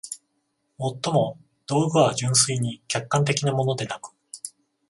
尤も、道具は純粋に客観的なものでなく、